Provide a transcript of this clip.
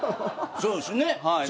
そうですね。